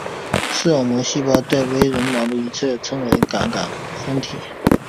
视网膜细胞带微绒毛的一侧称为感杆分体。